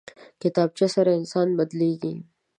کتابچه سره انسان بدلېږي